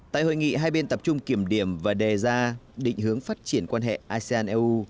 tại hội nghị hai bên tập trung kiểm điểm và đề ra định hướng phát triển quan hệ asean eu